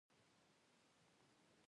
تنور د پخوانیو وختونو ارزښتناکه وسیله ده